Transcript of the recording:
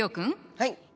はい！